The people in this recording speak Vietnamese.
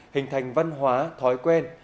hình thành văn hóa thói quen